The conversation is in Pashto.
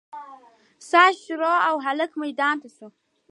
ساز شروع او هلک ميدان ته سو.